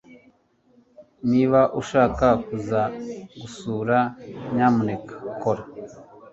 Niba ushaka kuza gusura, nyamuneka kora.